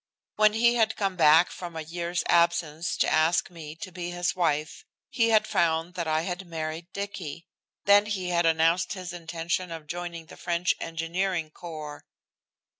When he had come back from a year's absence to ask me to be his wife he had found that I had married Dicky. Then he had announced his intention of joining the French engineering corps.